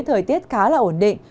thời tiết khá là ổn định